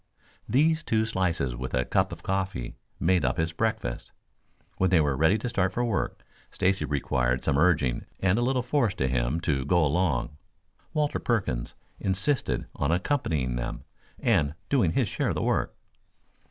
These two slices with a cup of coffee made up his breakfast. When they were ready to start for work, Stacy required some urging and a little force to him to go along. Walter Perkins insisted on accompanying them and doing his share of the work.